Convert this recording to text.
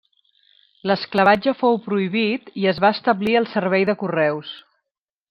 L'esclavatge fou prohibit i es va establir el servei de correus.